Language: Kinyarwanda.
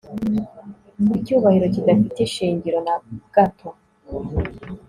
Icyubahiro kidafite ishingiro na agato